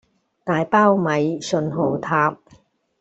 大包米訊號塔